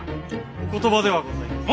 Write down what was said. お言葉ではございますが。